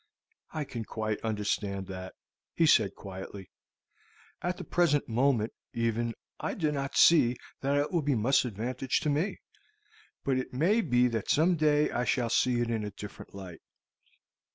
"I can quite understand that," he said quietly. "At the present moment, even, I do not see that it will be of much advantage to me; but it may be that some day I shall see it in a different light.